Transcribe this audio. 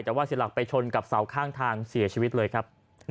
แต่ว่าเสียหลักไปชนกับเสาข้างทางเสียชีวิตเลยครับ